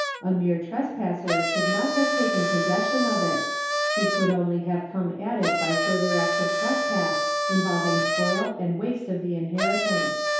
A mere trespasser could not have taken possession of it ; he could only have come at it by further acts of trespass involving spoil and waste of the inheritance."